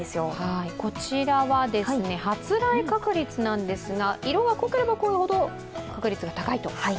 こちらは発雷確率なんですが、色が濃ければ濃いほど、確率が高いと。